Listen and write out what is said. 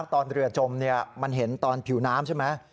ตอนเรือจมมันเห็นตอนผิวน้ำใช่ไหม